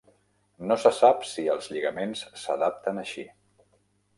No se sap si els lligaments s'adapten així.